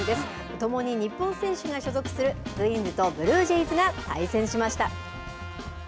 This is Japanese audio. ともに日本選手が所属するツインズとブルージェイズが対戦しました。